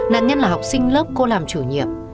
nạn nhân là học sinh lớp cô làm chủ nhiệm